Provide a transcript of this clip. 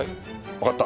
わかった。